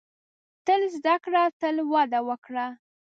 • تل زده کړه، تل وده وکړه.